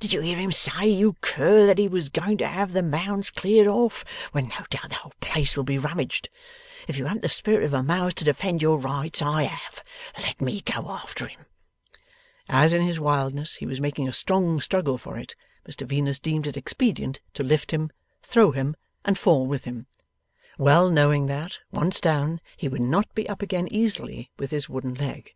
Did you hear him say, you cur, that he was going to have the Mounds cleared off, when no doubt the whole place will be rummaged? If you haven't the spirit of a mouse to defend your rights, I have. Let me go after him.' As in his wildness he was making a strong struggle for it, Mr Venus deemed it expedient to lift him, throw him, and fall with him; well knowing that, once down, he would not be up again easily with his wooden leg.